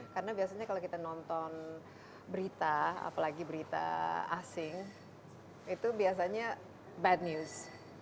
karena biasanya kalau kita nonton berita apalagi berita asing itu biasanya bad news